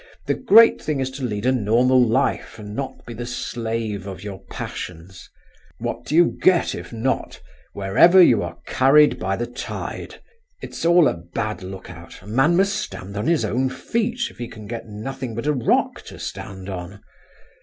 The great thing is to lead a normal life, and not be the slave of your passions. What do you get if not? Wherever you are carried by the tide—it's all a bad look out; a man must stand on his own feet, if he can get nothing but a rock to stand on.